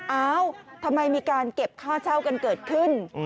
เอ้าทำไมมีการเก็บค่าเช่ากันเกิดขึ้น